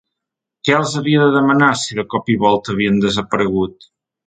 Què els havia de demanar si de cop i volta havien desaparegut?